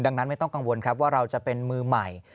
ดังนั้นไม่ต้องกังวลครับว่าเราจะเป็นมือใหม่